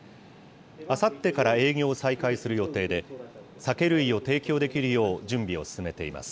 あさってから営業を再開する予定で、酒類を提供できるよう準備を進めています。